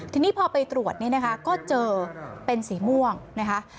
ทีนี้พอไปตรวจก็เจอเป็นสีม่วงนะคะ